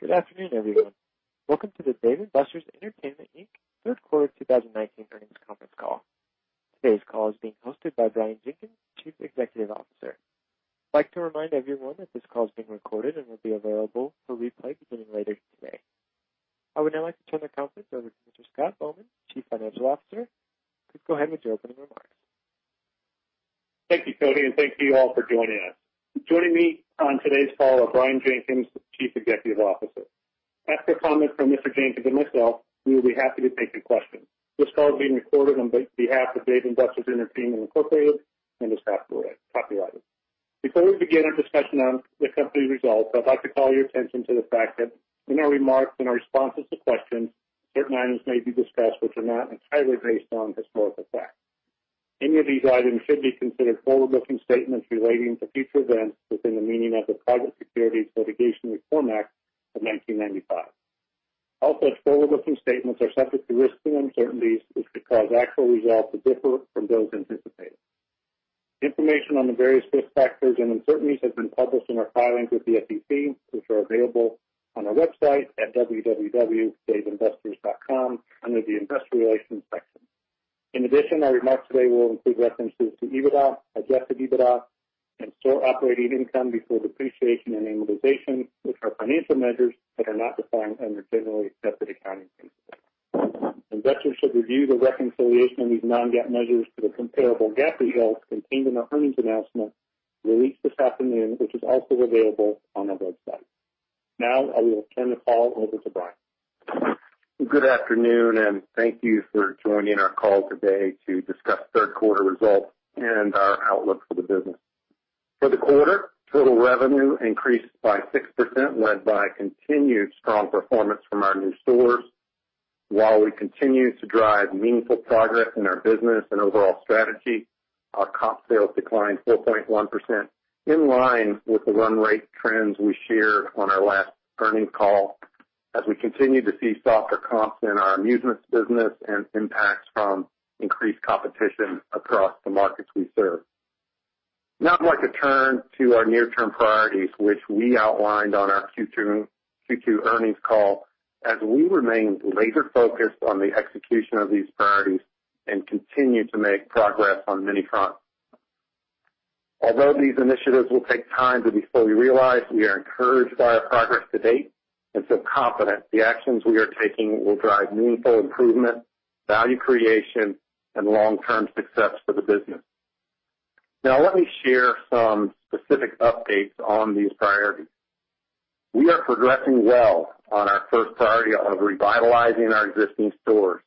Good afternoon, everyone. Welcome to the Dave & Buster's Entertainment Inc. Third Quarter 2019 earnings conference call. Today's call is being hosted by Brian Jenkins, Chief Executive Officer. I'd like to remind everyone that this call is being recorded and will be available for replay beginning later today. I would now like to turn the conference over to Mr. Scott Bowman, Chief Financial Officer. Please go ahead with your opening remarks. Thank you, Cody, and thank you all for joining us. Joining me on today's call are Brian Jenkins, the Chief Executive Officer. After comments from Mr. Jenkins and myself, we will be happy to take your questions. This call is being recorded on behalf of Dave & Buster's Entertainment, Inc. and is copyrighted. Before we begin our discussion on the company results, I'd like to call your attention to the fact that in our remarks and our responses to questions, certain items may be discussed which are not entirely based on historical fact. Any of these items should be considered forward-looking statements relating to future events within the meaning of the Private Securities Litigation Reform Act of 1995. Also, forward-looking statements are subject to risks and uncertainties, which could cause actual results to differ from those anticipated. Information on the various risk factors and uncertainties has been published in our filings with the SEC, which are available on our website at www.daveandbusters.com under the investor relations section. In addition, our remarks today will include references to EBITDA, adjusted EBITDA, and store operating income before depreciation and amortization, which are financial measures that are not defined under Generally Accepted Accounting Principles. Investors should review the reconciliation of these non-GAAP measures to the comparable GAAP results contained in our earnings announcement released this afternoon, which is also available on our website. Now, I will turn the call over to Brian. Good afternoon. Thank you for joining our call today to discuss third quarter results and our outlook for the business. For the quarter, total revenue increased by 6%, led by continued strong performance from our new stores. While we continue to drive meaningful progress in our business and overall strategy, our comp sales declined 4.1%, in line with the run rate trends we shared on our last earnings call as we continue to see softer comps in our amusements business and impacts from increased competition across the markets we serve. I'd like to turn to our near-term priorities, which we outlined on our Q2 earnings call, as we remain laser-focused on the execution of these priorities and continue to make progress on many fronts. Although these initiatives will take time to be fully realized, we are encouraged by our progress to date and feel confident the actions we are taking will drive meaningful improvement, value creation, and long-term success for the business. Let me share some specific updates on these priorities. We are progressing well on our first priority of revitalizing our existing stores.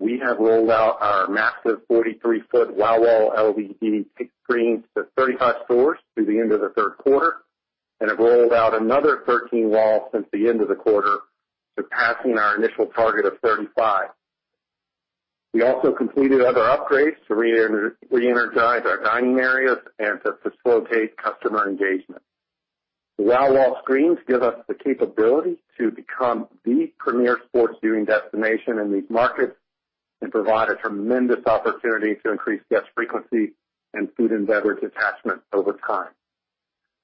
We have rolled out our massive 43-foot Wow Wall LED screens to 35 stores through the end of the third quarter and have rolled out another 13 walls since the end of the quarter, surpassing our initial target of 35. We also completed other upgrades to reenergize our dining areas and to facilitate customer engagement. The Wow Wall screens give us the capability to become the premier sports viewing destination in these markets and provide a tremendous opportunity to increase guest frequency and food and beverage attachment over time.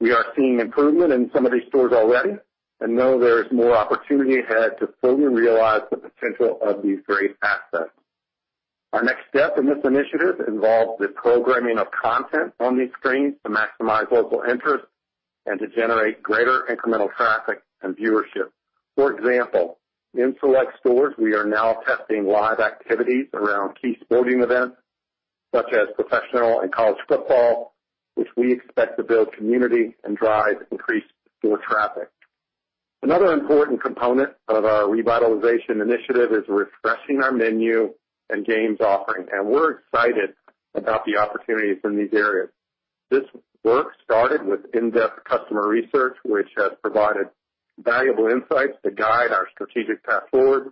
We are seeing improvement in some of these stores already and know there is more opportunity ahead to fully realize the potential of these great assets. Our next step in this initiative involves the programming of content on these screens to maximize local interest and to generate greater incremental traffic and viewership. For example, in select stores, we are now testing live activities around key sporting events such as professional and college football, which we expect to build community and drive increased store traffic. Another important component of our revitalization initiative is refreshing our menu and games offering, and we're excited about the opportunities in these areas. This work started with in-depth customer research, which has provided valuable insights to guide our strategic path forward.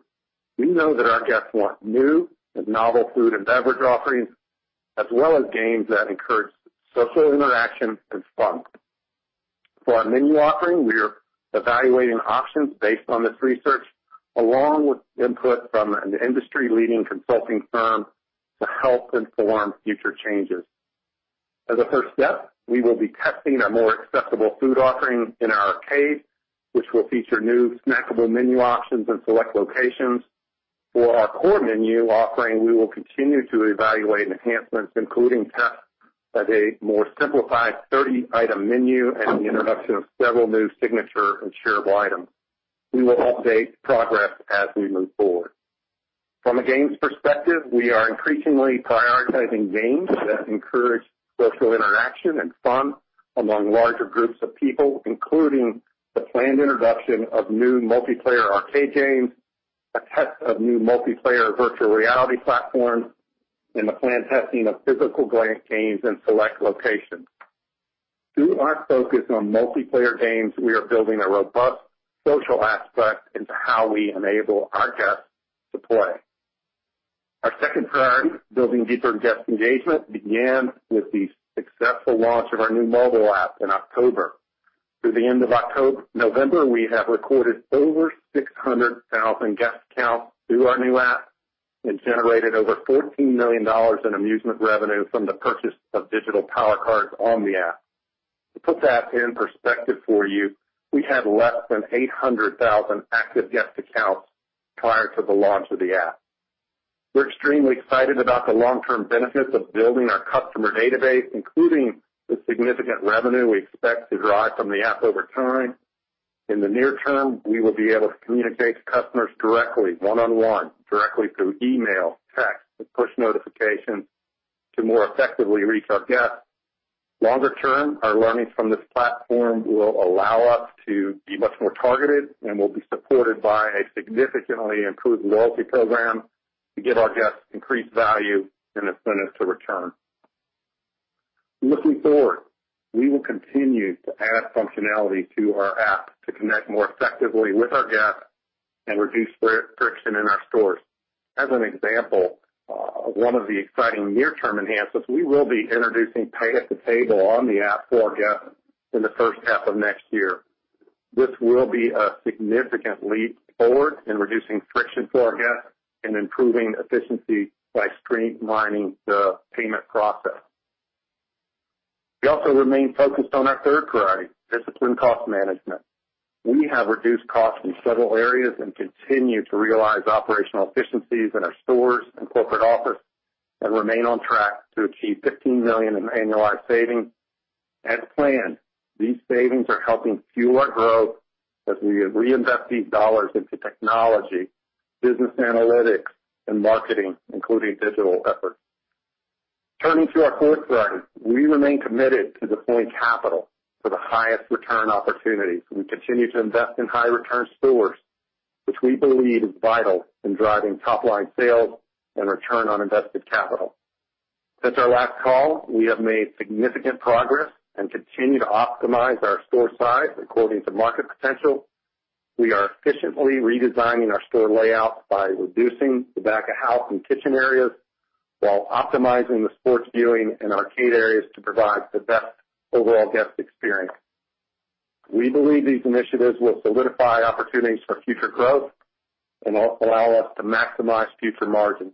We know that our guests want new and novel food and beverage offerings, as well as games that encourage social interaction and fun. For our menu offering, we are evaluating options based on this research, along with input from an industry-leading consulting firm to help inform future changes. As a first step, we will be testing a more accessible food offering in our arcade, which will feature new snackable menu options in select locations. For our core menu offering, we will continue to evaluate enhancements, including tests of a more simplified 30-item menu and the introduction of several new signature and shareable items. We will update progress as we move forward. From a games perspective, we are increasingly prioritizing games that encourage social interaction and fun among larger groups of people, including the planned introduction of new multiplayer arcade games, a test of new multiplayer virtual reality platforms, and the planned testing of physical games in select locations. Through our focus on multiplayer games, we are building a robust social aspect into how we enable our guests to play. Our second priority, building deeper guest engagement, began with the successful launch of our new mobile app in October. Through the end of November, we have recorded over 600,000 guest counts through our new app. Generated over $14 million in amusement revenue from the purchase of digital Power Cards on the app. To put that in perspective for you, we had less than 800,000 active guest accounts prior to the launch of the app. We're extremely excited about the long-term benefits of building our customer database, including the significant revenue we expect to derive from the app over time. In the near term, we will be able to communicate to customers directly, one-on-one, directly through email, text, and push notification to more effectively reach our guests. Longer term, our learnings from this platform will allow us to be much more targeted and will be supported by a significantly improved loyalty program to give our guests increased value and incentive to return. Looking forward, we will continue to add functionality to our app to connect more effectively with our guests and reduce friction in our stores. As an example, one of the exciting near-term enhancements, we will be introducing pay at the table on the app for our guests in the first half of next year. This will be a significant leap forward in reducing friction for our guests and improving efficiency by streamlining the payment process. We also remain focused on our third priority, disciplined cost management. We have reduced costs in several areas and continue to realize operational efficiencies in our stores and corporate office and remain on track to achieve $15 million in annualized savings. As planned, these savings are helping fuel our growth as we reinvest these dollars into technology, business analytics, and marketing, including digital efforts. Turning to our fourth priority. We remain committed to deploying capital for the highest return opportunities. We continue to invest in high return stores, which we believe is vital in driving top line sales and return on invested capital. Since our last call, we have made significant progress and continue to optimize our store size according to market potential. We are efficiently redesigning our store layouts by reducing the back of house and kitchen areas while optimizing the sports viewing and arcade areas to provide the best overall guest experience. We believe these initiatives will solidify opportunities for future growth and allow us to maximize future margin.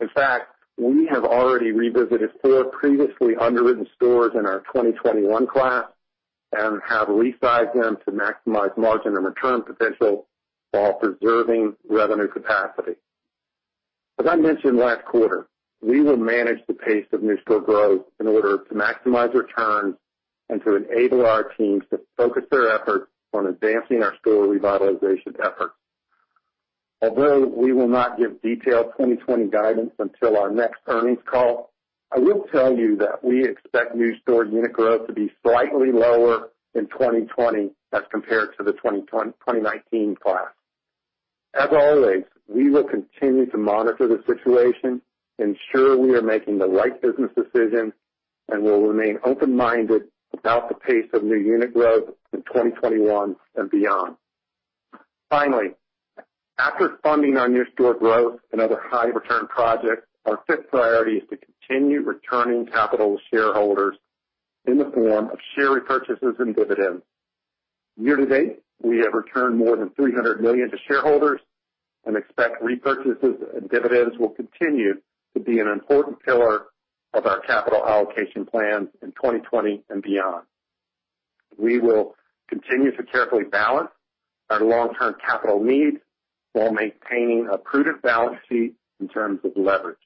In fact, we have already revisited four previously underwritten stores in our 2021 class and have resized them to maximize margin and return potential while preserving revenue capacity. As I mentioned last quarter, we will manage the pace of new store growth in order to maximize returns and to enable our teams to focus their efforts on advancing our store revitalization efforts. Although we will not give detailed 2020 guidance until our next earnings call, I will tell you that we expect new store unit growth to be slightly lower in 2020 as compared to the 2019 class. As always, we will continue to monitor the situation, ensure we are making the right business decisions, and will remain open-minded about the pace of new unit growth in 2021 and beyond. Finally, after funding our new store growth and other high return projects, our fifth priority is to continue returning capital to shareholders in the form of share repurchases and dividends. Year to date, we have returned more than $300 million to shareholders and expect repurchases and dividends will continue to be an important pillar of our capital allocation plan in 2020 and beyond. We will continue to carefully balance our long-term capital needs while maintaining a prudent balance sheet in terms of leverage.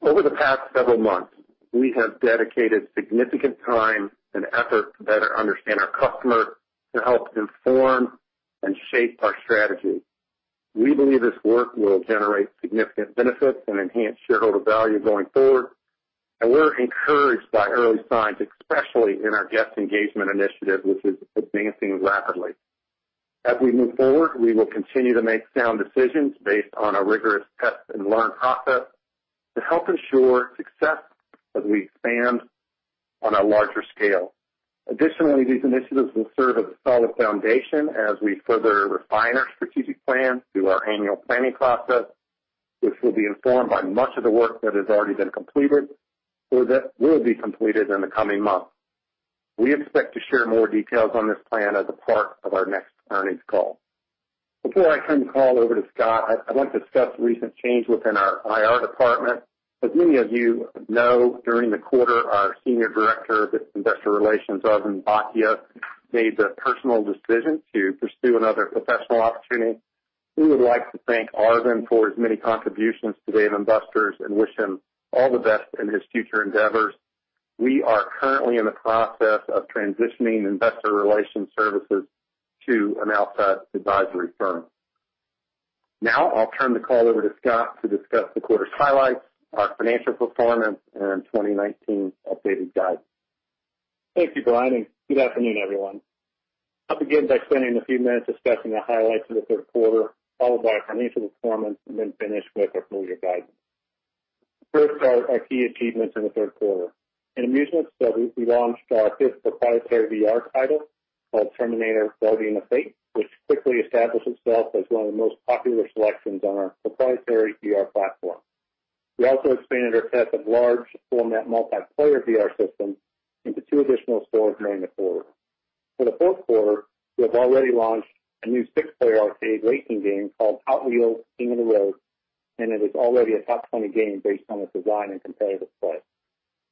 Over the past several months, we have dedicated significant time and effort to better understand our customer to help inform and shape our strategy. We believe this work will generate significant benefits and enhance shareholder value going forward, and we're encouraged by early signs, especially in our guest engagement initiative, which is advancing rapidly. As we move forward, we will continue to make sound decisions based on a rigorous test and learn process to help ensure success as we expand on a larger scale. Additionally, these initiatives will serve as a solid foundation as we further refine our strategic plan through our annual planning process, which will be informed by much of the work that has already been completed or that will be completed in the coming months. We expect to share more details on this plan as a part of our next earnings call. Before I turn the call over to Scott, I'd like to discuss a recent change within our IR department. As many of you know, during the quarter, our Senior Director of Investor Relations, Arvind Bhatia, made the personal decision to pursue another professional opportunity. We would like to thank Arvind for his many contributions to Dave & Buster's and wish him all the best in his future endeavors. We are currently in the process of transitioning investor relations services to an outside advisory firm. Now, I'll turn the call over to Scott to discuss the quarter's highlights, our financial performance, and 2019 updated guide. Thank you, Brian. Good afternoon, everyone. I'll begin by spending a few minutes discussing the highlights of the third quarter, followed by financial performance, and then finish with our full-year guidance. First are our key achievements in the third quarter. In amusements, we launched our fifth proprietary VR title called Terminator: Guardian of Fate, which quickly established itself as one of the most popular selections on our proprietary VR platform. We also expanded our test of large format multiplayer VR systems into two additional stores during the quarter. For the fourth quarter, we have already launched a new six-player arcade racing game called Hot Wheels: King of the Road, and it is already a top 20 game based on its design and competitive play.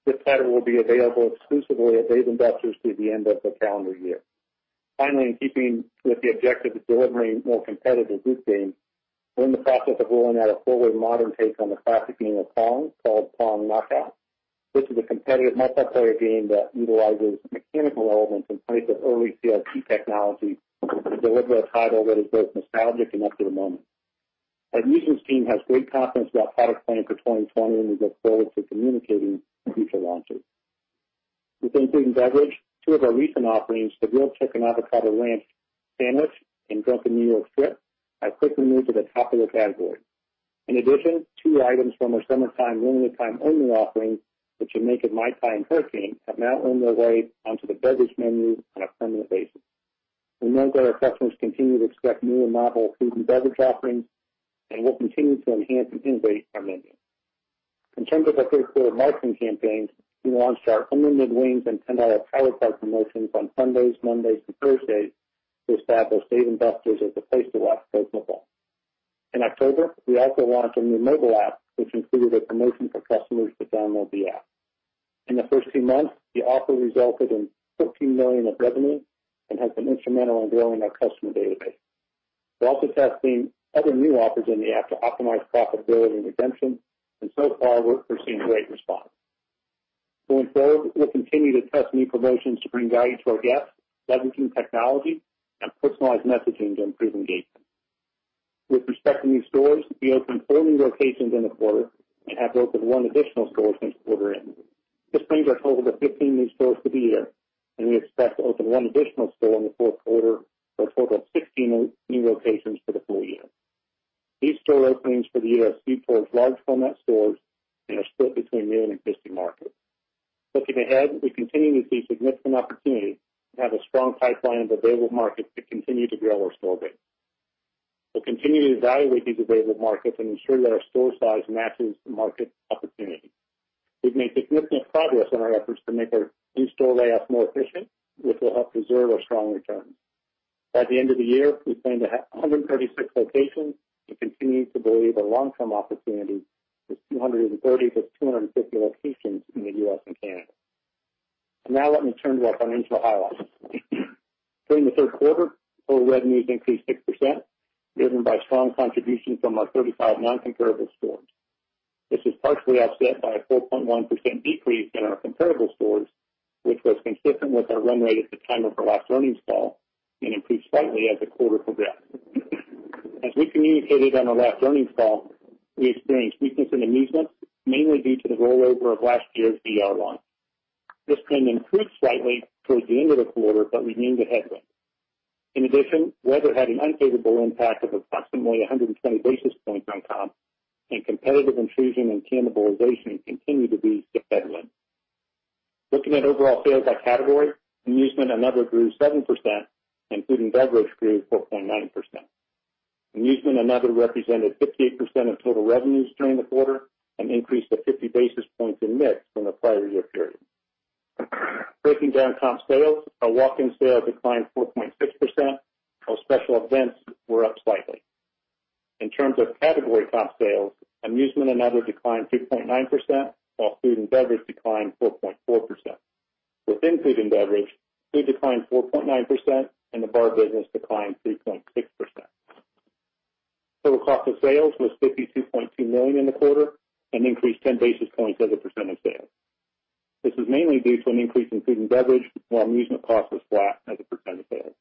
This title will be available exclusively at Dave & Buster's through the end of the calendar year. In keeping with the objective of delivering more competitive group games, we're in the process of rolling out a fully modern take on the classic game of Pong called Pong Knockout. This is a competitive multiplayer game that utilizes mechanical elements in place of early CRT technology to deliver a title that is both nostalgic and up to the moment. Our amusement team has great confidence about product planning for 2020, and we look forward to communicating future launches. Within food and beverage, two of our recent offerings, the grilled chicken avocado ranch sandwich and drunken New York strip, have quickly moved to the top of the category. In addition, two items from our summertime limited time only offerings, the Jamaican Mai Tai and Hurricane, have now earned their way onto the beverage menu on a permanent basis. We know that our customers continue to expect new and novel food and beverage offerings, and we'll continue to enhance and innovate our menu. In terms of our third quarter marketing campaigns, we launched our unlimited wings and $10 Power Card promotions on Sundays, Mondays, and Thursdays to establish Dave & Buster's as the place to watch football. In October, we also launched a new mobile app which included a promotion for customers to download the app. In the first few months, the offer resulted in $14 million of revenue and has been instrumental in growing our customer database. We're also testing other new offers in the app to optimize profitability and redemption, and so far, we're seeing great response. Going forward, we'll continue to test new promotions to bring value to our guests, leveraging technology and personalized messaging to improve engagement. With respect to new stores, we opened 14 locations in the quarter and have opened one additional store since quarter end. This brings our total to 15 new stores for the year, and we expect to open one additional store in the fourth quarter for a total of 16 new locations for the full year. These store openings for the year support large format stores and are split between new and existing markets. Looking ahead, we continue to see significant opportunity and have a strong pipeline of available markets to continue to grow our store base. We'll continue to evaluate these available markets and ensure that our store size matches the market opportunity. We've made significant progress on our efforts to make our new store layouts more efficient, which will help preserve our strong returns. By the end of the year, we plan to have 136 locations and continue to believe our long-term opportunity is 230-250 locations in the U.S. and Canada. Now let me turn to our financial highlights. During the third quarter, total revenues increased 6%, driven by strong contribution from our 35 non-comparable stores. This was partially offset by a 4.1% decrease in our comparable stores, which was consistent with our run rate at the time of our last earnings call and increased slightly as the quarter progressed. As we communicated on our last earnings call, we experienced weakness in amusement, mainly due to the rollover of last year's VR launch. This trend improved slightly towards the end of the quarter, but we deemed it headwind. In addition, weather had an unfavorable impact of approximately 120 basis points on comp and competitive intrusion and cannibalization continued to be a headwind. Looking at overall sales by category, amusement and other grew 7%, and food and beverage grew 4.9%. Amusement and other represented 58% of total revenues during the quarter and increased by 50 basis points in mix from the prior year period. Breaking down comp sales, our walk-in sales declined 4.6%, while special events were up slightly. In terms of category comp sales, amusement and other declined 2.9%, while food and beverage declined 4.4%. Within food and beverage, food declined 4.9%, and the bar business declined 3.6%. Total cost of sales was $52.2 million in the quarter and increased 10 basis points as a % of sales. This was mainly due to an increase in food and beverage while amusement cost was flat as a percent of sales.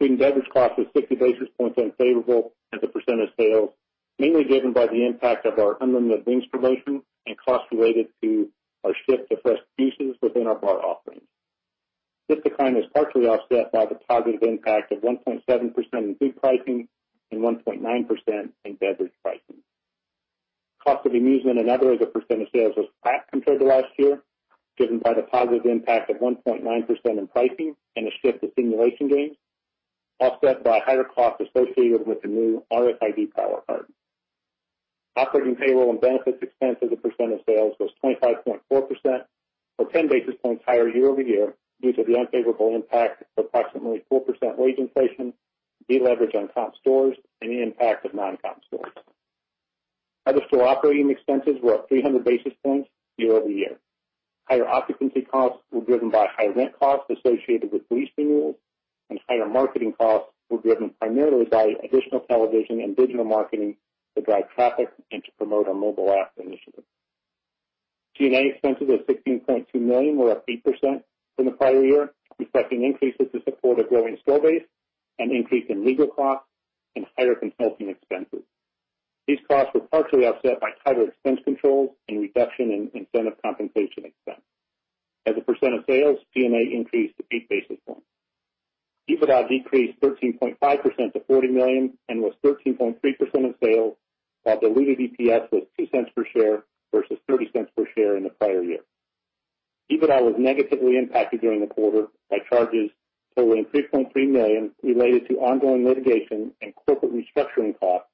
Food and beverage cost was 60 basis points unfavorable as a percent of sales, mainly driven by the impact of our unlimited wings promotion and costs related to our shift to fresh juices within our bar offerings. This decline was partially offset by the positive impact of 1.7% in food pricing and 1.9% in beverage pricing. Cost of amusement and other as a percent of sales was flat compared to last year, driven by the positive impact of 1.9% in pricing and a shift to simulation games, offset by higher costs associated with the new RFID Power Card. Operating payroll and benefits expense as a percent of sales was 25.4% or 10 basis points higher year-over-year due to the unfavorable impact of approximately 4% wage inflation, deleverage on comp stores, and the impact of non-comp stores. Other store operating expenses were up 300 basis points year-over-year. Higher occupancy costs were driven by higher rent costs associated with lease renewals, and higher marketing costs were driven primarily by additional television and digital marketing to drive traffic and to promote our mobile app initiative. G&A expenses of $16.2 million were up 8% from the prior year, reflecting increases to support a growing store base, an increase in legal costs, and higher consulting expenses. These costs were partially offset by tighter expense controls and reduction in incentive compensation expense. As a percent of sales, G&A increased to eight basis points. EBITDA decreased 13.5% to $40 million and was 13.3% of sales, while diluted EPS was $0.02 per share versus $0.30 per share in the prior year. EBITDA was negatively impacted during the quarter by charges totaling $3.3 million related to ongoing litigation and corporate restructuring costs,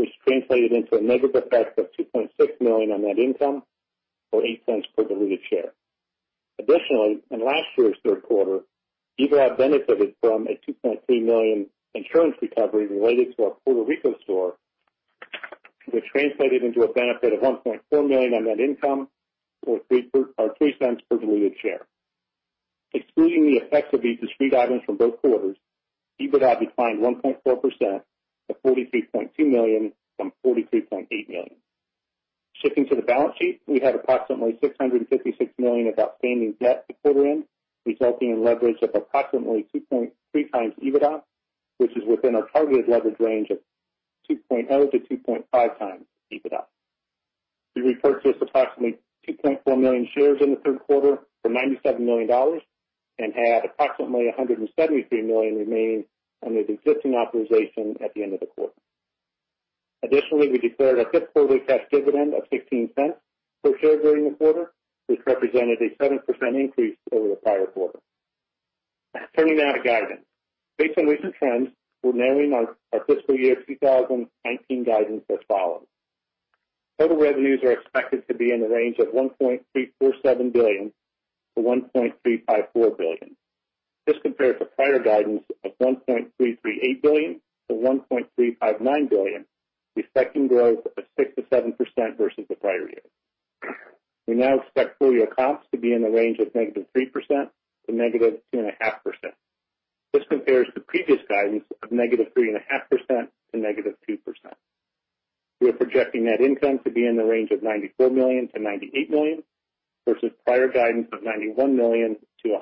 which translated into a negative effect of $2.6 million on net income or $0.08 per diluted share. Additionally, in last year's third quarter, EBITDA benefited from a $2.3 million insurance recovery related to our Puerto Rico store, which translated into a benefit of $1.4 million on net income or $0.03 per diluted share. Excluding the effects of these discrete items from both quarters, EBITDA declined 1.4% to $43.2 million from $43.8 million. Shifting to the balance sheet, we had approximately $656 million of outstanding debt at quarter end, resulting in leverage of approximately 2.3 times EBITDA, which is within our targeted leverage range of 2.0 to 2.5 times EBITDA. We repurchased approximately 2.4 million shares in the third quarter for $97 million and had approximately $173 million remaining under the existing authorization at the end of the quarter. We declared a fifth quarterly cash dividend of $0.16 per share during the quarter, which represented a 7% increase over the prior quarter. Turning now to guidance. Based on recent trends, we're narrowing our fiscal year 2019 guidance as follows. Total revenues are expected to be in the range of $1.347 billion-$1.354 billion. This compares to prior guidance of $1.338 billion-$1.359 billion, reflecting growth of 6%-7% versus the prior year. We now expect full-year costs to be in the range of -3% to -2.5%. This compares to previous guidance of -3.5% to -2%. We are projecting net income to be in the range of $94 million to $98 million versus prior guidance of $91 million to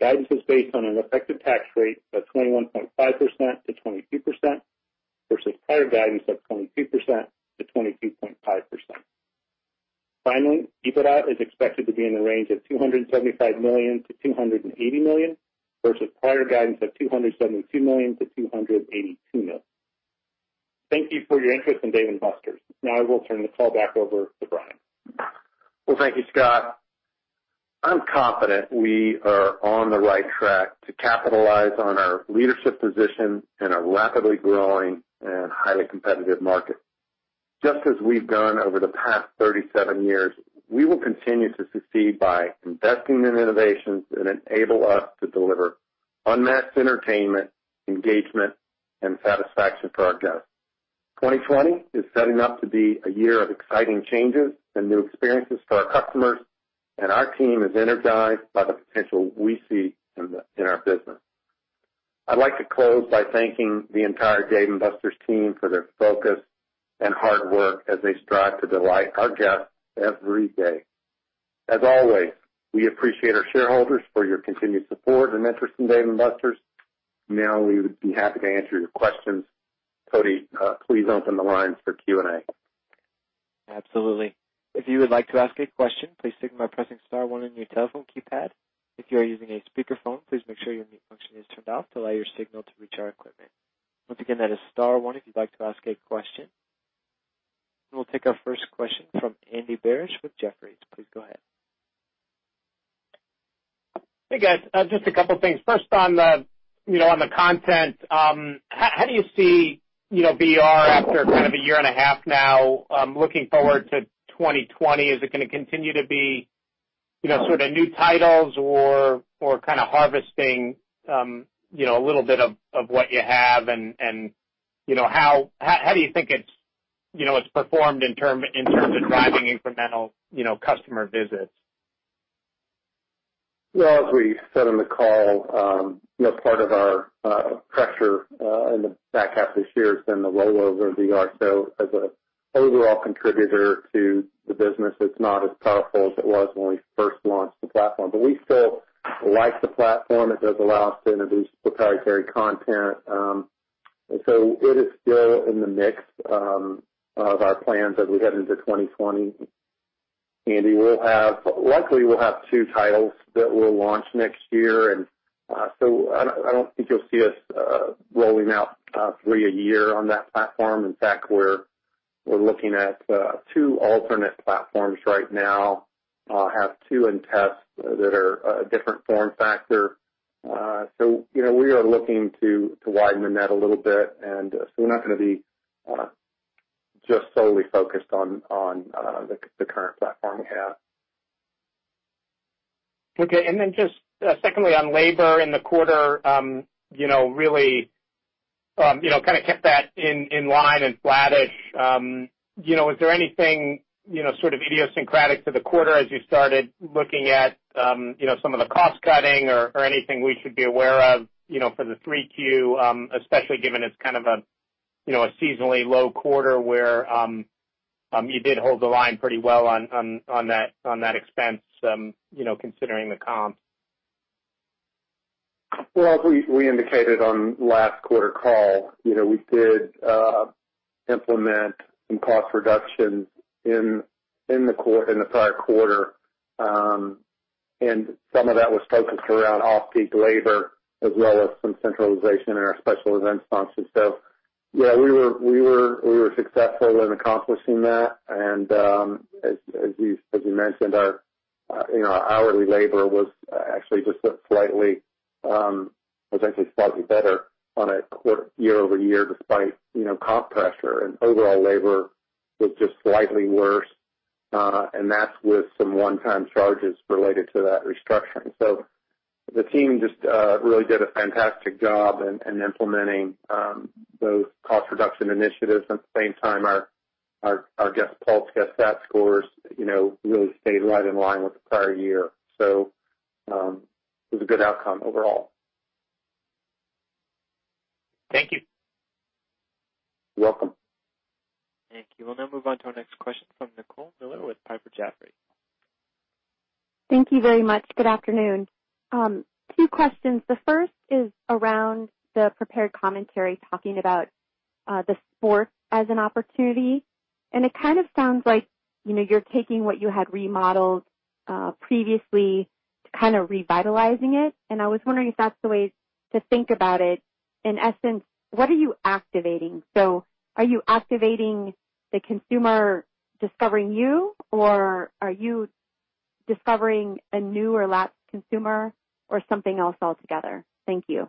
$100 million. Guidance is based on an effective tax rate of 21.5% to 22% versus prior guidance of 22% to 22.5%. Finally, EBITDA is expected to be in the range of $275 million to $280 million versus prior guidance of $272 million to $282 million. Thank you for your interest in Dave & Buster's. Now I will turn the call back over to Brian. Well, thank you, Scott. I'm confident we are on the right track to capitalize on our leadership position in a rapidly growing and highly competitive market. Just as we've done over the past 37 years, we will continue to succeed by investing in innovations that enable us to deliver unmatched entertainment, engagement, and satisfaction for our guests. 2020 is setting up to be a year of exciting changes and new experiences for our customers, and our team is energized by the potential we see in our business. I'd like to close by thanking the entire Dave & Buster's team for their focus and hard work as they strive to delight our guests every day. As always, we appreciate our shareholders for your continued support and interest in Dave & Buster's. Now we would be happy to answer your questions. Cody, please open the lines for Q&A. Absolutely. If you would like to ask a question, please signal by pressing star one on your telephone keypad. If you are using a speakerphone, please make sure your mute function is turned off to allow your signal to reach our equipment. Once again, that is star one if you'd like to ask a question. We'll take our first question from Andy Barish with Jefferies. Please go ahead. Hey, guys. Just a couple of things. First on the content, how do you see VR after kind of a year and a half now looking forward to 2020? Is it going to continue to be sort of new titles or kind of harvesting a little bit of what you have and how do you think it's performed in terms of driving incremental customer visits? Well, as we said on the call, part of our pressure in the back half of this year has been the rollover of VR. As an overall contributor to the business, it's not as powerful as it was when we first launched the platform. We still like the platform. It does allow us to introduce proprietary content. It is still in the mix of our plans as we head into 2020. Andy, likely we'll have two titles that we'll launch next year. I don't think you'll see us rolling out three a year on that platform. In fact, we're looking at two alternate platforms right now, have two in tests that are a different form factor. We are looking to widen the net a little bit, and so we're not going to be just solely focused on the current platform we have. Okay, just secondly on labor in the quarter, really kind of kept that in line and flattish. Is there anything sort of idiosyncratic to the quarter as you started looking at some of the cost cutting or anything we should be aware of for the 3Q, especially given it's kind of a seasonally low quarter where you did hold the line pretty well on that expense considering the comps? Well, as we indicated on last quarter call, we did implement some cost reductions in the prior quarter. Some of that was focused around off-peak labor as well as some centralization in our special event sponsors. We were successful in accomplishing that. As you mentioned, our hourly labor was actually slightly better on a year-over-year despite cost pressure, and overall labor was just slightly worse. That's with some one-time charges related to that restructuring. The team just really did a fantastic job in implementing those cost reduction initiatives. At the same time, our guest pulse, guest sat scores really stayed right in line with the prior year. It was a good outcome overall. Thank you. You're welcome. Thank you. We'll now move on to our next question from Nicole Miller Regan with Piper Jaffray. Thank you very much. Good afternoon. Two questions. The first is around the prepared commentary, talking about the sport as an opportunity, and it kind of sounds like you're taking what you had remodeled previously, kind of revitalizing it. I was wondering if that's the way to think about it. In essence, what are you activating? Are you activating the consumer discovering you, or are you discovering a new or lapsed consumer or something else altogether? Thank you.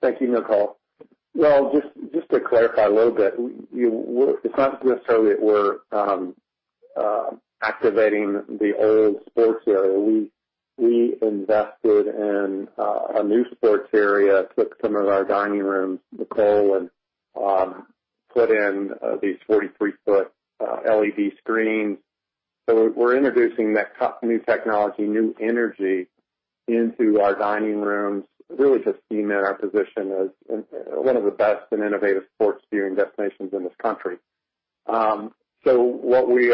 Thank you, Nicole. Well, just to clarify a little bit, it's not necessarily that we're activating the old sports area. We invested in a new sports area, took some of our dining rooms, Nicole, and put in these 43-foot LED screens. We're introducing that new technology, new energy into our dining rooms, really just deeming our position as one of the best and innovative sports viewing destinations in this country. What we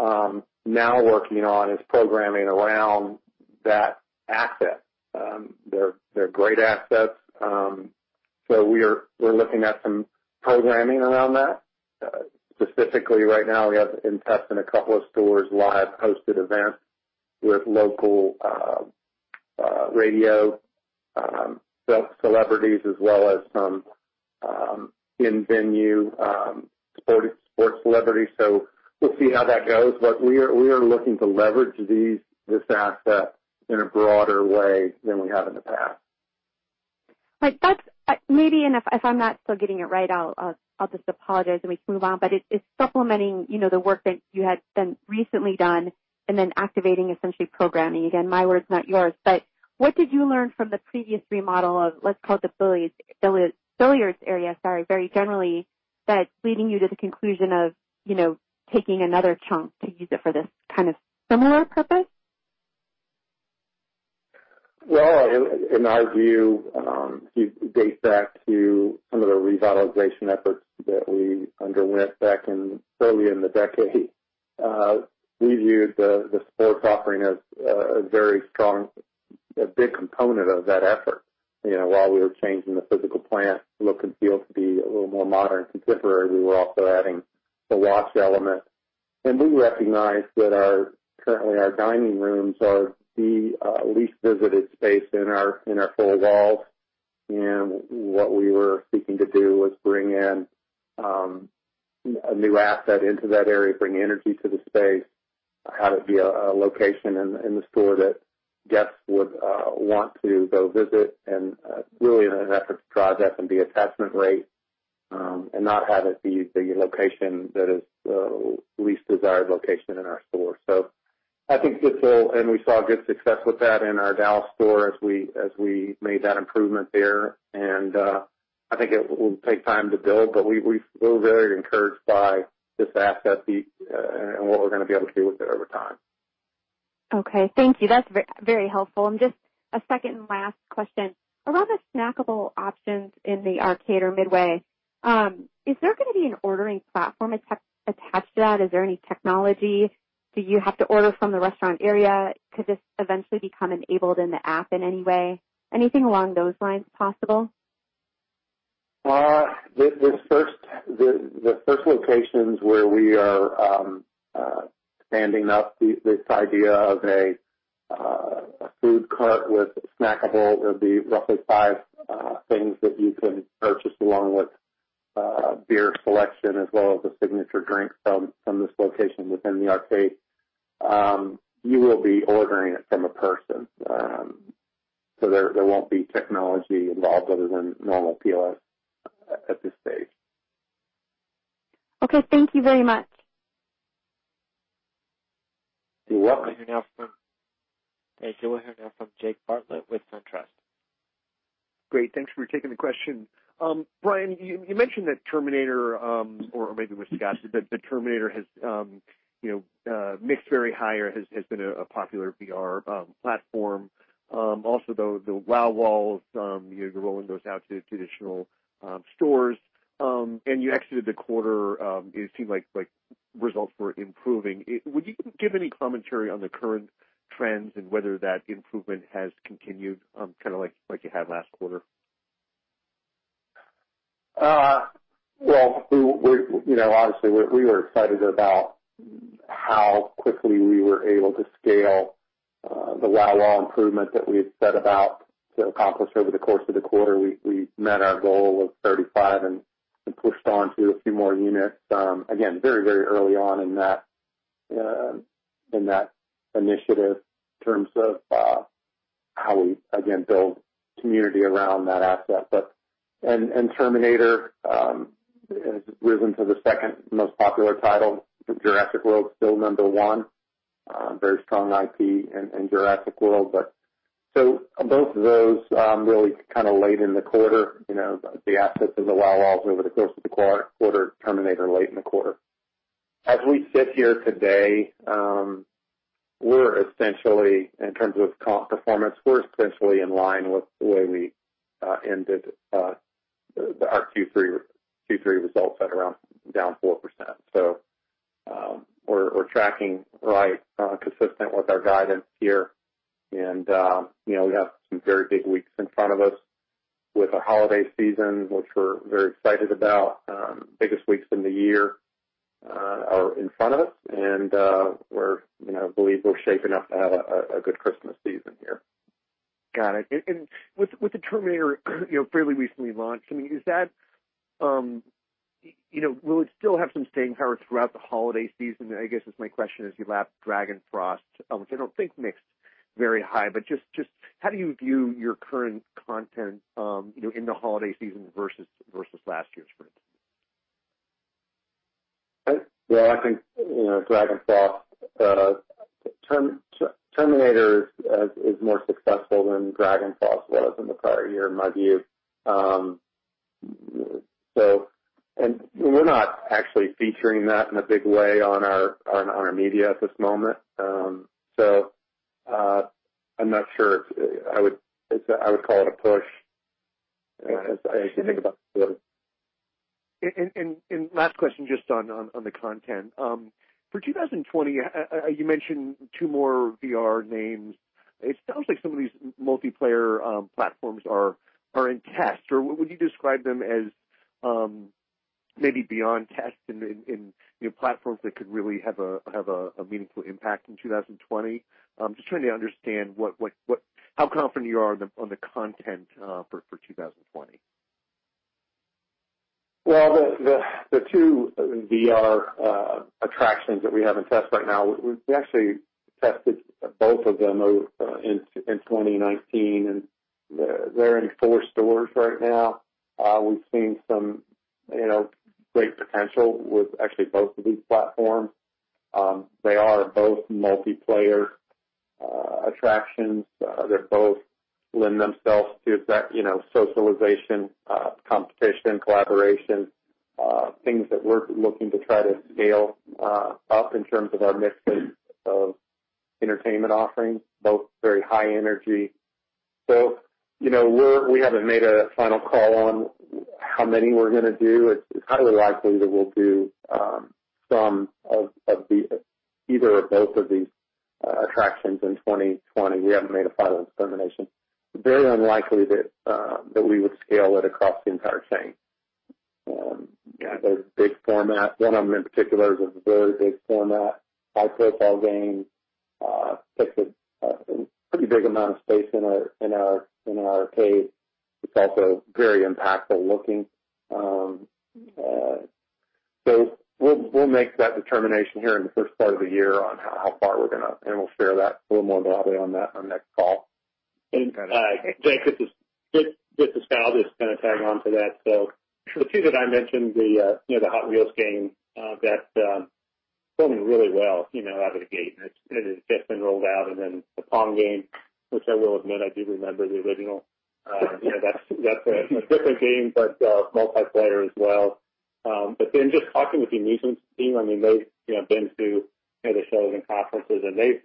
are now working on is programming around that asset. They're great assets. We're looking at some programming around that. Specifically right now, we have in testing a couple of stores, live hosted events with local radio celebrities as well as some in-venue sports celebrities. We'll see how that goes. We are looking to leverage this asset in a broader way than we have in the past. Right. If I'm not still getting it right, I'll just apologize, and we can move on. It's supplementing the work that you had been recently done and then activating, essentially programming. Again, my words, not yours. What did you learn from the previous remodel of, let's call it the billiards area, sorry, very generally, that's leading you to the conclusion of taking another chunk to use it for this kind of similar purpose? Well, in our view, if you date back to some of the revitalization efforts that we underwent back in early in the decade, we viewed the sports offering as a very strong, big component of that effort. While we were changing the physical plant look and feel to be a little more modern contemporary, we were also adding the watch element. We recognized that currently our dining rooms are the least visited space in our four walls. What we were seeking to do was bring in a new asset into that area, bring energy to the space, have it be a location in the store that guests would want to go visit, and really in an effort to drive F&B attachment rate, and not have it be the location that is the least desired location in our store. We saw good success with that in our Dallas store as we made that improvement there. I think it will take time to build, but we're very encouraged by this asset and what we're going to be able to do with it over time. Okay. Thank you. That's very helpful. Just a second and last question. Around the snackable options in the arcade or midway, is there going to be an ordering platform attached to that? Is there any technology? Do you have to order from the restaurant area? Could this eventually become enabled in the app in any way? Anything along those lines possible? The first locations where we are standing up this idea of a food cart with snackables would be roughly five things that you can purchase, along with a beer selection as well as a signature drink from this location within the arcade. You will be ordering it from a person. There won't be technology involved other than normal POS at this stage. Okay. Thank you very much. You're welcome. Thank you. We'll hear now from Jake Bartlett with SunTrust. Great. Thanks for taking the question. Brian, you mentioned that Terminator, or maybe it was Scott, said that Terminator has mixed very high or has been a popular VR platform. Though, the WOW Walls, you're rolling those out to traditional stores. You exited the quarter, it seemed like results were improving. Would you give any commentary on the current trends and whether that improvement has continued, kind of like you had last quarter? Well, obviously, we were excited about how quickly we were able to scale the WOW Wall improvement that we had set about to accomplish over the course of the quarter. We met our goal of 35 and pushed on to a few more units. Very early on in that initiative in terms of how we, again, build community around that asset. Terminator has risen to the second most popular title, with Jurassic World still number one. Very strong IP in Jurassic World. Both of those really late in the quarter, the assets of the WOW Walls over the course of the quarter, Terminator late in the quarter. As we sit here today, in terms of comp performance, we're essentially in line with the way we ended our Q3 results at around down 4%. We're tracking right consistent with our guidance here. We have some very big weeks in front of us with the holiday season, which we're very excited about. Biggest weeks in the year are in front of us, and we believe we're shaping up to have a good Christmas season here. Got it. With the Terminator fairly recently launched, will it still have some staying power throughout the holiday season, I guess, is my question, as you lap DragonFrost, which I don't think mixed very high. Just how do you view your current content in the holiday season versus last year's for instance? Well, I think "Terminator" is more successful than "DragonFrost" was in the prior year, in my view. We're not actually featuring that in a big way on our media at this moment. I'm not sure I would call it a push as I think about it. Last question just on the content. For 2020, you mentioned two more VR names. It sounds like some of these multiplayer platforms are in test. Would you describe them as maybe beyond test and platforms that could really have a meaningful impact in 2020? I'm just trying to understand how confident you are on the content for 2020. The two VR attractions that we have in test right now, we actually tested both of them in 2019, and they're in four stores right now. We've seen some great potential with actually both of these platforms. They are both multiplayer attractions. They both lend themselves to that socialization, competition, collaboration things that we're looking to try to scale up in terms of our mix of entertainment offerings, both very high energy. We haven't made a final call on how many we're going to do. It's highly likely that we'll do either or both of these attractions in 2020. We haven't made a final determination. Very unlikely that we would scale it across the entire chain. They're big format. One of them in particular is a very big format, high-profile game. Takes a pretty big amount of space in our arcade. It's also very impactful looking. We'll make that determination here in the first part of the year on how far we're going to, and we'll share that a little more broadly on the next call. Got it. Jake, just to style this, kind of tag on to that. The two that I mentioned, the Hot Wheels game, that's going really well out of the gate, and it has just been rolled out. The Pong game, which I will admit, I do remember the original. That's a different game, but multiplayer as well. Just talking with the amusement team, they've been to the shows and conferences, and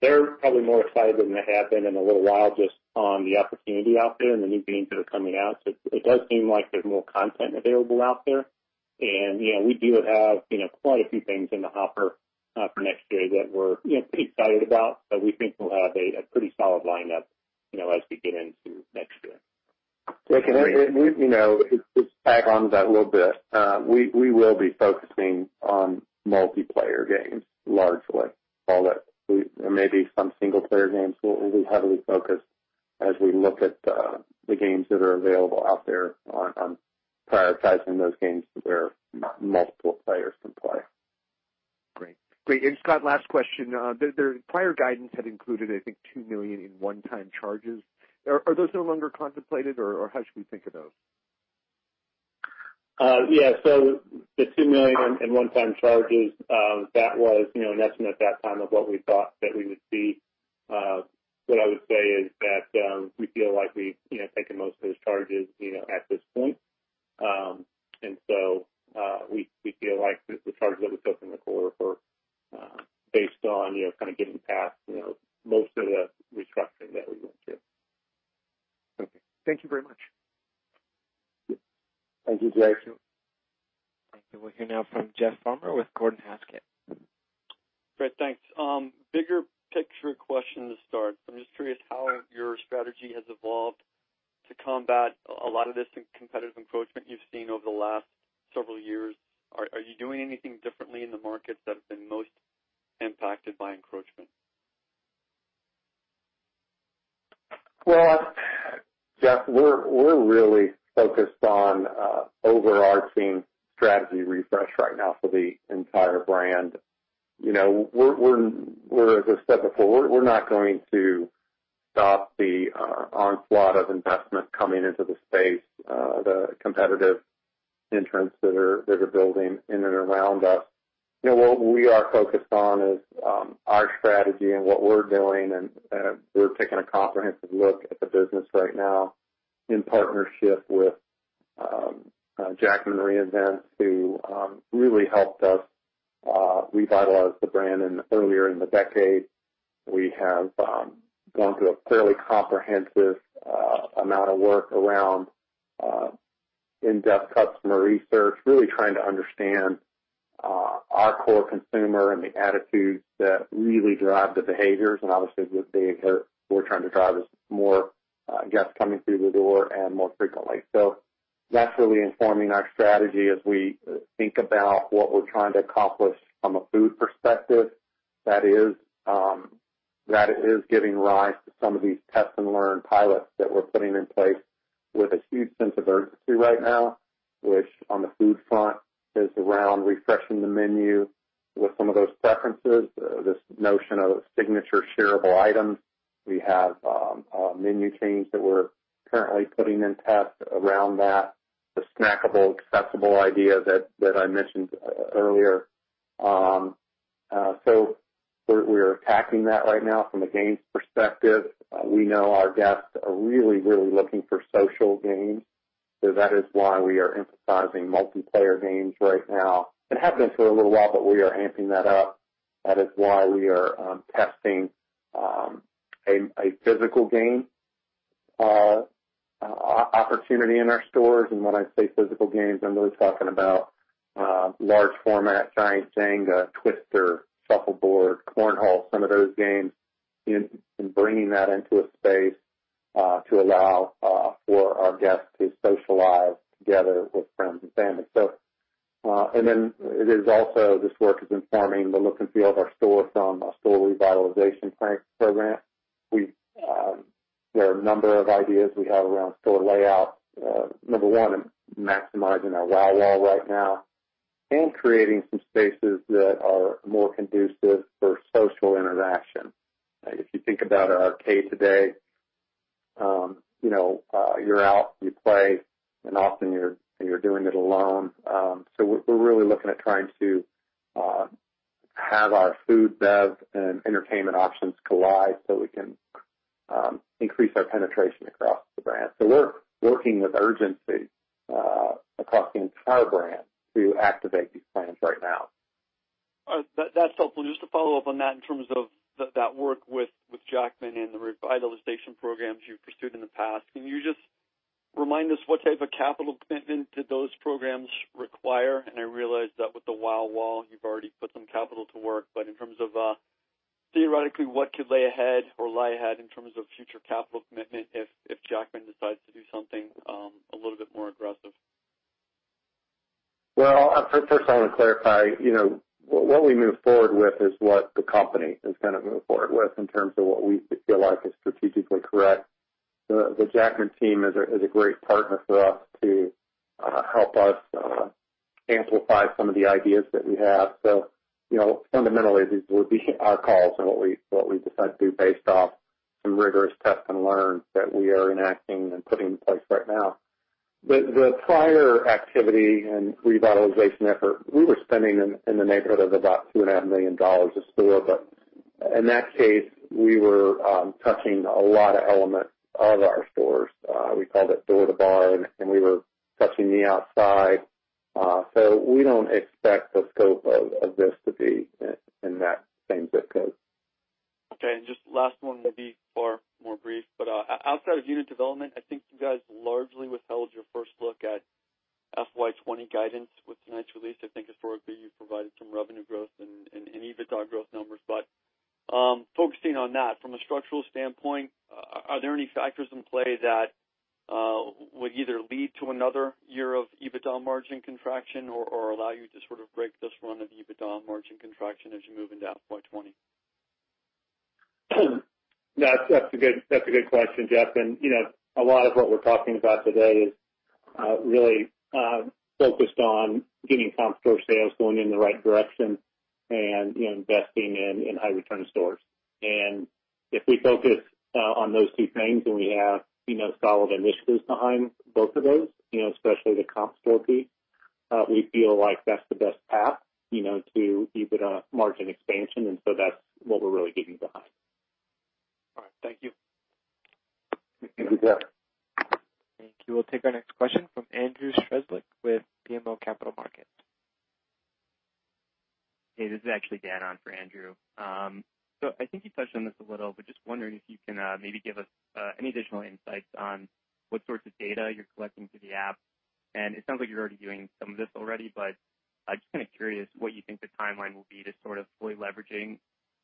they're probably more excited than they have been in a little while just on the opportunity out there and the new games that are coming out. It does seem like there's more content available out there. We do have quite a few things in the hopper for next year that we're pretty excited about. We think we'll have a pretty solid lineup as we get into next year. Jake, just to tag on to that a little bit. We will be focusing on multiplayer games largely. There may be some single-player games, we'll be heavily focused as we look at the games that are available out there on prioritizing those games where multiple players can play. Great. Scott, last question. The prior guidance had included, I think, $2 million in one-time charges. Are those no longer contemplated, or how should we think of those? Yeah. The $2 million in one-time charges, that was an estimate at that time of what we thought that we would see. What I would say is that we feel like we've taken most The snackable, accessible idea that I mentioned earlier. We're attacking that right now from a games perspective. We know our guests are really looking for social games. That is why we are emphasizing multiplayer games right now. It happened for a little while, but we are amping that up. That is why we are testing a physical game opportunity in our stores. When I say physical games, I'm really talking about large format, giant Jenga, Twister, shuffleboard, cornhole, some of those games, and bringing that into a space, to allow for our guests to socialize together with friends and family. It is also this work is informing the look and feel of our store from a store revitalization program. There are a number of ideas we have around store layout. Number one, maximizing our WOW Wall right now and creating some spaces that are more conducive for social interaction. If you think about our arcade today, you're out, you play, and often you're doing it alone. We're really looking at trying to have our food, bev, and entertainment options collide so we can increase our penetration across the brand. We're working with urgency, across the entire brand to activate these plans right now. That's helpful. Just to follow up on that, in terms of that work with Jackman and the revitalization programs you've pursued in the past. Can you just remind us what type of capital commitment did those programs require? I realize that with the WOW Wall, you've already put some capital to work, but in terms of theoretically, what could lay ahead or lie ahead in terms of future capital commitment if Jackman decides to do something a little bit more aggressive? Well, first I want to clarify, what we move forward with is what the company is going to move forward with in terms of what we feel like is strategically correct. The Jackman team is a great partner for us to help us amplify some of the ideas that we have. Fundamentally, these would be our calls and what we decide to do based off some rigorous test and learn that we are enacting and putting in place right now. The prior activity and revitalization effort, we were spending in the neighborhood of about $2.5 million a store. In that case, we were touching a lot of elements of our stores. We called it door-to-door, and we were touching the outside. We don't expect the scope of this to be in that same zip code. Okay. Just last one, maybe far more brief, but outside of unit development, I think you guys largely withheld your first look at FY 2020 guidance with tonight's release. I think historically, you've provided some revenue growth and EBITDA growth numbers. Focusing on that, from a structural standpoint, are there any factors in play that will either lead to another year of EBITDA margin contraction or allow you to sort of break this run of EBITDA margin contraction as you move into FY 2020? That's a good question, Jeff. A lot of what we're talking about today is really focused on getting comp store sales going in the right direction and investing in high-return stores. If we focus on those two things, and we have solid initiatives behind both of those, especially the comp store piece, we feel like that's the best path to EBITDA margin expansion. That's what we're really getting behind. All right. Thank you. Thank you, Jeff. Thank you. We'll take our next question from Andrew Strelzik with BMO Capital Markets. Hey, this is actually Dan Ahn for Andrew. I think you touched on this a little, but just wondering if you can maybe give us any additional insights on what sorts of data you're collecting through the app. It sounds like you're already doing some of this already, but I'm just kind of curious what you think the timeline will be to sort of fully leveraging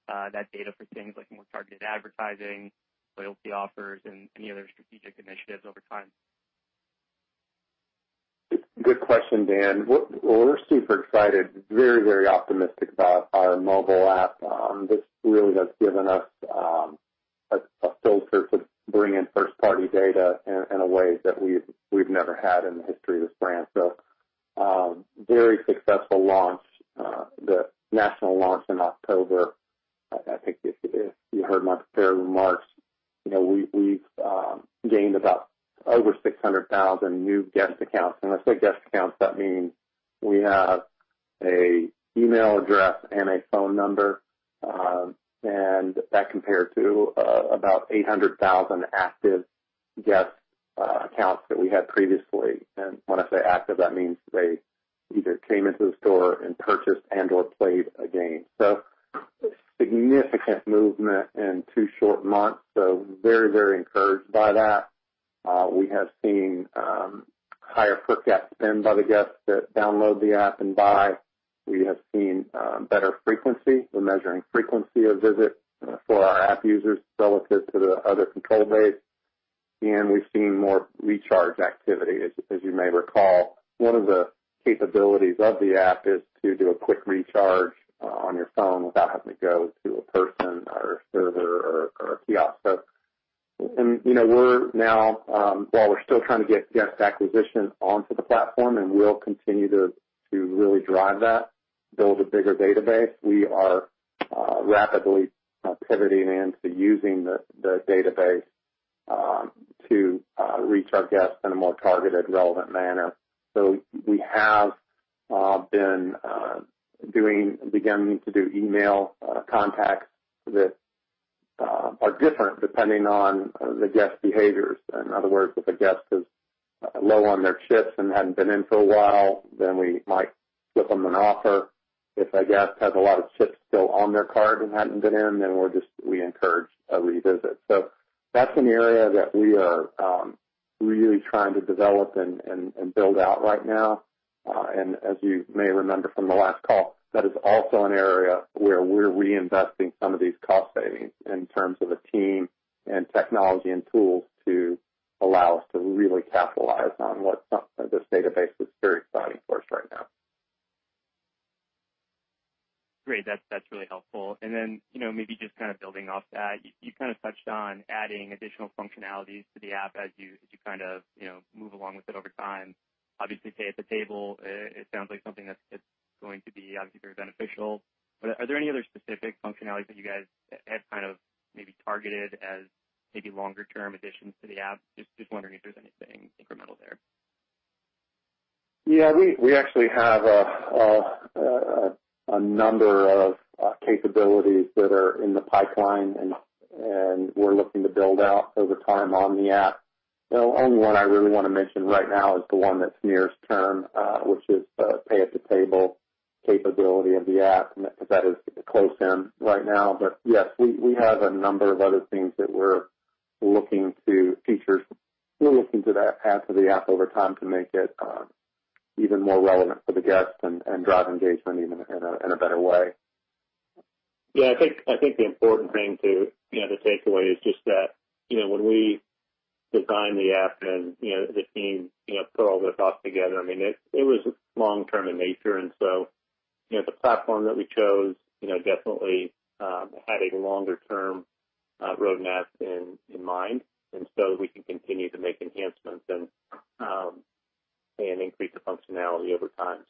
that data for things like more targeted advertising, loyalty offers, and any other strategic initiatives over time. Good question, Dan. Well, we're super excited, very, very optimistic about our mobile app. This really has given us a filter to bring in first-party data in a way that we've never had in the history of this brand. Very successful launch, the national launch in October. I think if you heard my prepared remarks, we've gained about over 600,000 new guest accounts. When I say guest accounts, that means we have an email address and a phone number, and that compared to about 800,000 active guest accounts that we had previously. When I say active, that means they either came into the store and purchased and/or played a game. Significant movement in two short months. Very encouraged by that. We have seen higher per-guest spend by the guests that download the app and buy. We have seen better frequency. We're measuring frequency of visit for our app users relative to the other control base. We've seen more recharge activity. As you may recall, one of the capabilities of the app is to do a quick recharge on your phone without having to go to a person or a server or a kiosk. We're now, while we're still trying to get guest acquisition onto the platform, and we'll continue to really drive that, build a bigger database, we are rapidly pivoting into using the database to reach our guests in a more targeted, relevant manner. We have been beginning to do email contacts that are different depending on the guest behaviors. In other words, if a guest is low on their chips and hadn't been in for a while, we might flip them an offer. If a guest has a lot of chips still on their Power Card and hadn't been in, we encourage a revisit. That's an area that we are really trying to develop and build out right now. As you may remember from the last call, that is also an area where we're reinvesting some of these cost savings in terms of a team and technology and tools to allow us to really capitalize on what this database is very exciting for us right now. Great. That's really helpful. Maybe just kind of building off that, you kind of touched on adding additional functionalities to the app as you kind of move along with it over time. Obviously, pay at the table, it sounds like something that's going to be obviously very beneficial, but are there any other specific functionalities that you guys have kind of maybe targeted as maybe longer-term additions to the app? Just wondering if there's anything incremental there. We actually have a number of capabilities that are in the pipeline, and we're looking to build out over time on the app. The only one I really want to mention right now is the one that's nearest term, which is the pay at the table capability of the app, because that is close in right now. Yes, we have a number of other things that we're looking to feature, we're looking to add to the app over time to make it even more relevant for the guests and drive engagement in a better way. Yeah, I think the important thing to take away is just that when we designed the app and the team put all their thoughts together, it was long-term in nature. The platform that we chose definitely had a longer-term roadmap in mind. We can continue to make enhancements and increase the functionality over time.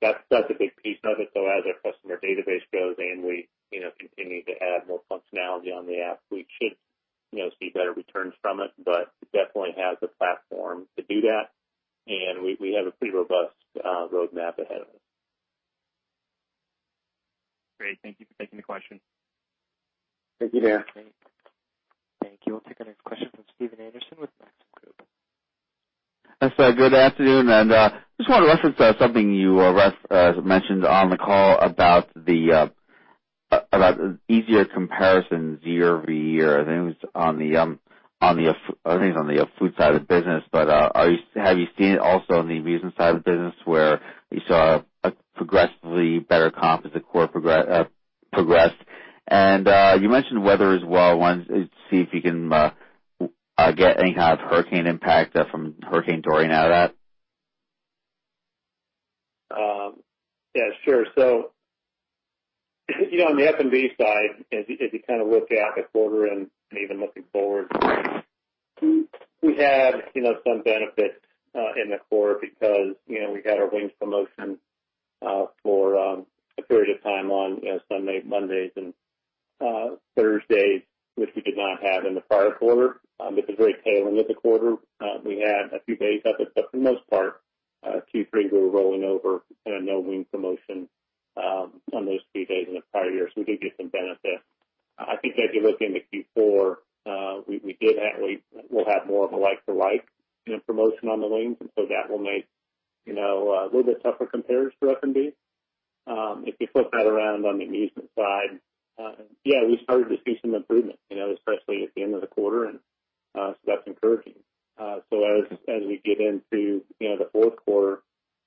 That's a big piece of it, though, as our customer database grows and we continue to add more functionality on the app, we should see better returns from it, but it definitely has the platform to do that, and we have a pretty robust roadmap ahead of us. Great. Thank you for taking the question. Thank you, Dan. Thank you. We'll take our next question from Stephen Anderson with Maxim Group. Yes, good afternoon. Just want to reference something you, Russ, mentioned on the call about the easier comparisons year-over-year. I think it was on the food side of the business. Have you seen it also on the amusement side of the business where you saw a progressively better comp as the quarter progressed? You mentioned weather as well. Wanted to see if you can get any kind of hurricane impact from Hurricane Dorian out of that. Yeah, sure. On the F&B side, as you kind of look at the quarter and even looking forward, we had some benefit in the quarter because we had our wings promotion for a period of time on Mondays and Thursdays, which we did not have in the prior quarter. It was very tail end of the quarter. We had a few days of it, but for the most part, Q3 we were rolling over kind of no wing promotion on those key days in the prior year, so we did get some benefit. I think as you look into Q4, we did actually, we'll have more of a like-to-like promotion on the wings, and so that will make a little bit tougher compares for F&B. If you flip that around on the amusement side, yeah, we started to see some improvement, especially at the end of the quarter. That's encouraging. As we get into the fourth quarter,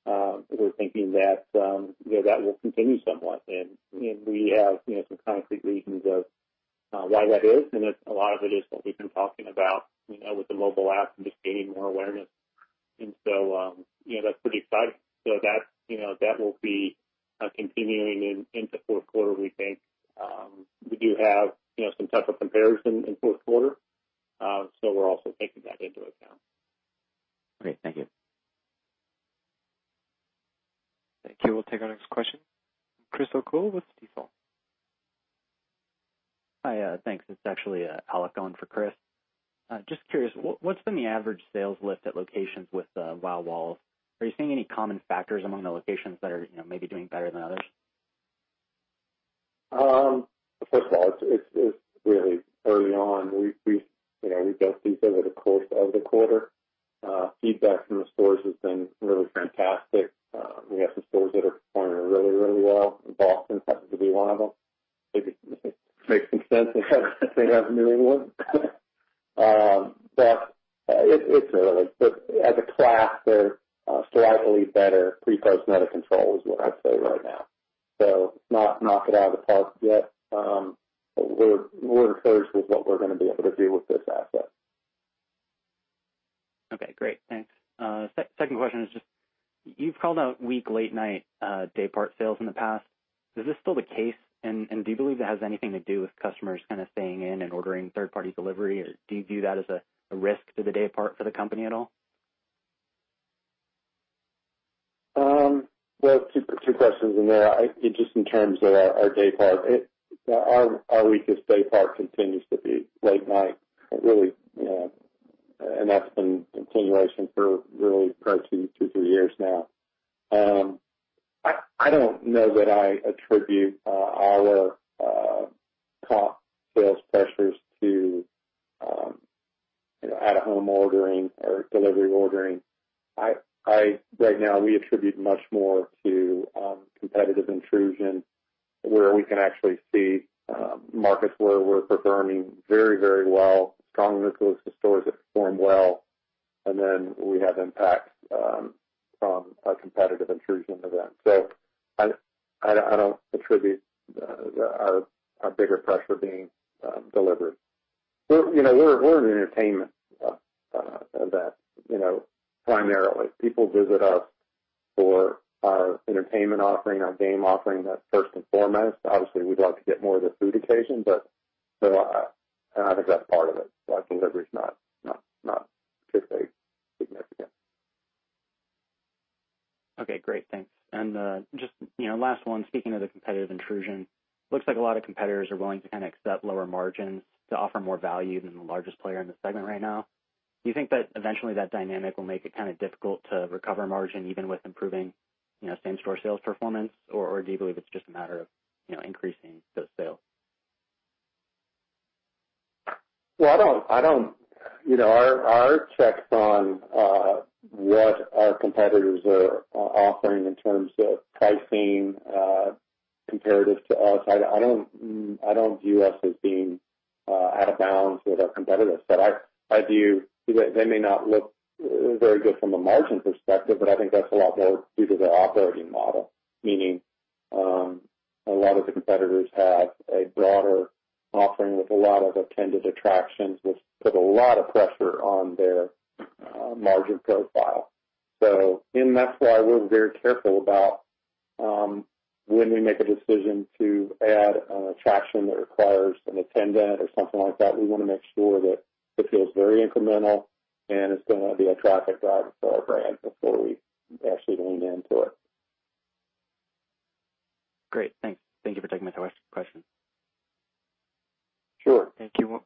we're thinking that will continue somewhat. We have some concrete reasons of why that is, and a lot of it is what we've been talking about with the mobile app and just gaining more awareness. That's pretty exciting. That will be continuing into fourth quarter, we think. We do have some tougher comparison in fourth quarter, so we're also taking that into account. Great. Thank you. Thank you. We'll take our next question. Chris O'Cull with Stifel. Hi. Thanks. It's actually Alec Owen for Chris. Just curious, what's been the average sales lift at locations with WOW Walls? Are you seeing any common factors among the locations that are maybe doing better than others? First of all, it's really early on. We built these over the course of the quarter. Feedback from the stores has been really fantastic. We have some stores that are performing really well, and Boston happens to be one of them. It makes some sense because they have New England. As a class, they're slightly better pre-post net of control, is what I'd say right now. Not knock it out of the park yet. We're encouraged with what we're going to be able to do with this asset. Okay, great. Thanks. Second question is just, you've called out weak late-night, daypart sales in the past. Is this still the case? Do you believe that has anything to do with customers kind of staying in and ordering third-party delivery, or do you view that as a risk to the daypart for the company at all? Well, two questions in there. Just in terms of our daypart, our weakest daypart continues to be late night. Really, and that's been in continuation for really approaching two to three years now. I don't know that I attribute our comp sales pressures to at-home ordering or delivery ordering. Right now, we attribute much more to competitive intrusion, where we can actually see markets where we're performing very well, strong residuals to stores that perform well, and then we have impact from a competitive intrusion event. I don't attribute our bigger pressure being delivered. We're an entertainment event, primarily. People visit us for our entertainment offering, our game offering. That's first and foremost. Obviously, we'd like to get more of the food occasion, but I think that's part of it. I think delivery is not particularly significant. Okay, great. Thanks. Just last one. Speaking of the competitive intrusion, looks like a lot of competitors are willing to kind of accept lower margins to offer more value than the largest player in the segment right now. Do you think that eventually that dynamic will make it kind of difficult to recover margin even with improving same-store sales performance? Do you believe it's just a matter of increasing those sales? Our checks on what our competitors are offering in terms of pricing, comparative to us, I don't view us as being out of bounds with our competitors. They may not look very good from a margin perspective, but I think that's a lot more due to their operating model, meaning a lot of the competitors have a broader offering with a lot of attended attractions, which put a lot of pressure on their margin profile. That's why we're very careful about when we make a decision to add an attraction that requires an attendant or something like that. We want to make sure that it feels very incremental and it's going to be a traffic driver for our brand before we actually lean into it. Great. Thanks. Thank you for taking my questions. Sure. Thank you.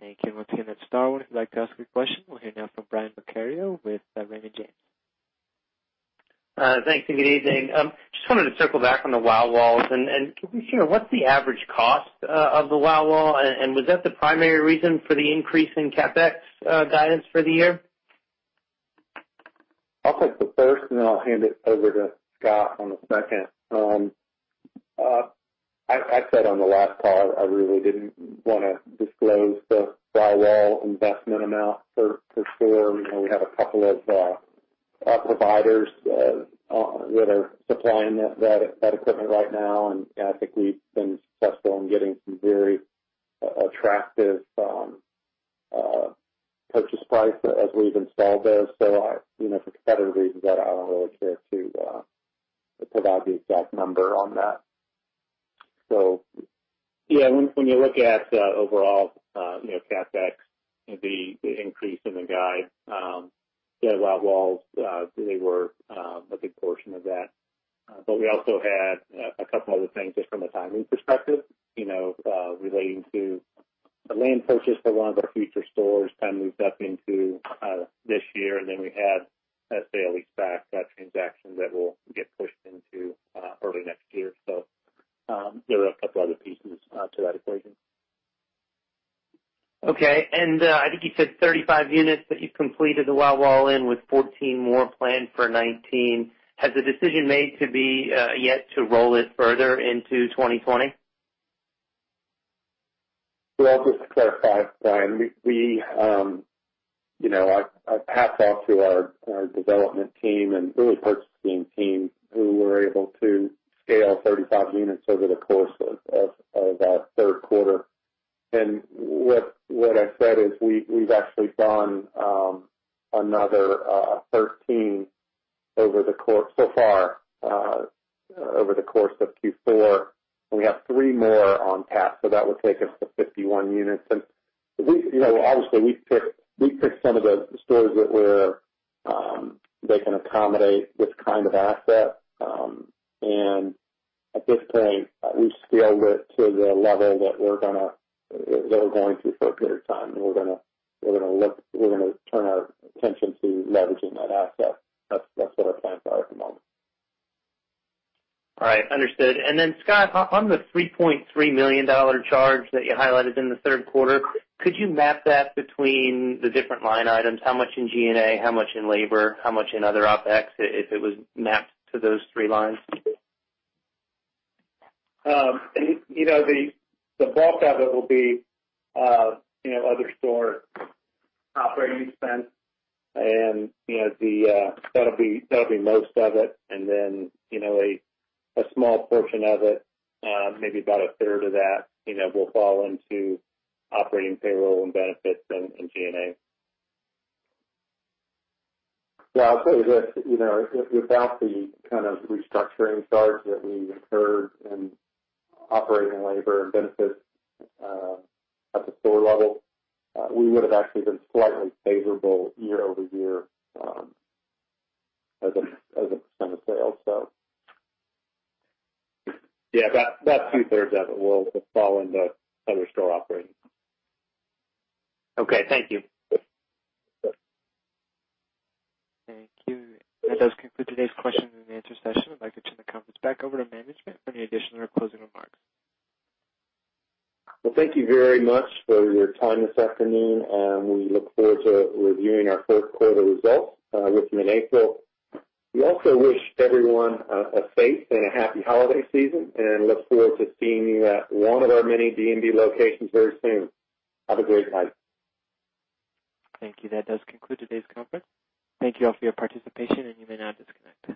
Once again, that's Stifel. If you'd like to ask your question, we'll hear now from Brian Vaccaro with Raymond James. Thanks, and good evening. Just wanted to circle back on the WOW Walls. Can we hear what's the average cost of the WOW Wall? Was that the primary reason for the increase in CapEx guidance for the year? I'll take the first, and then I'll hand it over to Scott on the second. I said on the last call, I really didn't want to disclose the WOW Wall investment amount per store. We have a couple of providers that are supplying that equipment right now, and I think we've been successful in getting some very attractive purchase price as we've installed those. For competitive reasons, I don't really care to provide the exact number on that. When you look at overall CapEx, the increase in the guide, the WOW Walls, they were a big portion of that. We also had a couple other things just from a timing perspective, relating to the land purchase for one of our future stores moved up into this year, and then we had that sale-leaseback transaction that will get pushed into early next year. There are a couple other pieces to that equation. Okay. I think you said 35 units that you've completed the WOW Wall in, with 14 more planned for 2019. Has the decision made to be yet to roll it further into 2020? Well, just to clarify, Brian, I pass off to our development team and early purchasing team who were able to scale 35 units over the course of that third quarter. What I said is we've actually done another 13 so far over the course of Q4, and we have 3 more on tap, so that would take us to 51 units. Obviously, we picked some of the stores that they can accommodate this kind of asset. At this point, we've scaled it to the level that we're going to for a period of time, and we're going to turn our attention to leveraging that asset. That's where our plans are at the moment. All right. Understood. Then Scott, on the $3.3 million charge that you highlighted in the third quarter, could you map that between the different line items? How much in G&A, how much in labor, how much in other OpEx, if it was mapped to those three lines? The bulk of it will be other store operating expense, and that'll be most of it, and then a small portion of it, maybe about a third of that, will fall into operating payroll and benefits and G&A. Yeah, I'll tell you this, without the kind of restructuring charge that we incurred in operating labor and benefits at the store level, we would have actually been slightly favorable year-over-year as a % of sales. Yeah. About two-thirds of it will fall into other store operating. Okay. Thank you. Thank you. That does conclude today's question and answer session. I'd like to turn the conference back over to management for any additional or closing remarks. Well, thank you very much for your time this afternoon, and we look forward to reviewing our first quarter results with you in April. We also wish everyone a safe and a happy holiday season, and look forward to seeing you at one of our many D&B locations very soon. Have a great night. Thank you. That does conclude today's conference. Thank you all for your participation, and you may now disconnect.